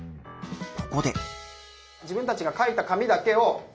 ここで。